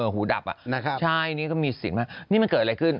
หูดับอะนะครับใช่นี้ก็มีสิทธิ์มากแพงนี้มันเกิดอะไรขึ้น